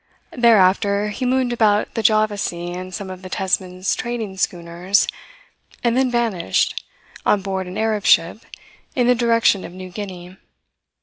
Thereafter he mooned about the Java Sea in some of the Tesmans' trading schooners, and then vanished, on board an Arab ship, in the direction of New Guinea.